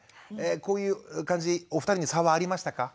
こういう感じお二人に差はありましたか？